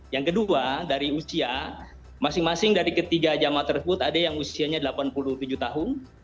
yang kedua dari usia masing masing dari ketiga jamaah tersebut ada yang usianya delapan puluh tujuh tahun